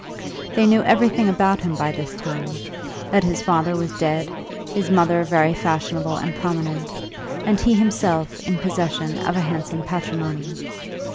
They knew everything about him by this time; that his father was dead, his mother very fashionable and prominent, and he himself in possession of a handsome patrimony.